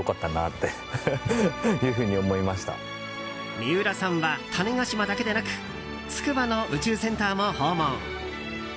三浦さんは種子島だけでなく筑波の宇宙センターも訪問。